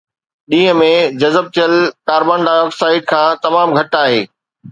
ڏينهن ۾ جذب ٿيل ڪاربان ڊاءِ آڪسائيڊ کان تمام گهٽ آهي